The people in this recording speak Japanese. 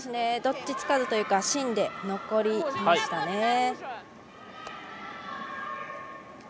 どっちつかずというか芯で残りましたね。